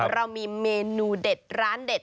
เรามีเมนูเด็ดร้านเด็ด